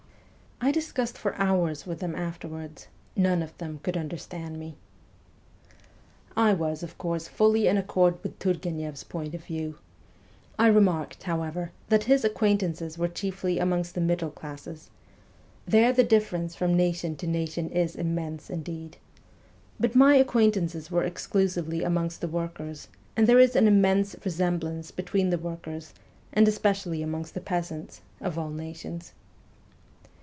I discussed for hours with them afterwards : none of them could understand me !' I was, of course, fully in accord with Turgueneff's point of view. I remarked, however, that his acquaint ances were chiefly amongst the middle classes. There the difference from nation to nation is immense indeed. But my acquaintances were exclusively amongst the workers, and there is an immense resemblance between the workers, and especially amongst the peasants, of all nations.